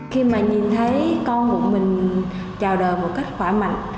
khi mà nhìn thấy con một mình chào đời một cách khỏa mạnh